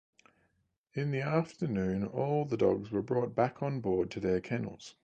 In the afternoon all the dogs were brought back on board to their kennels.